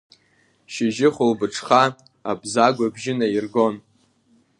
Шьыжьы, хәылбыҽха Абзагә ибжьы наиргон…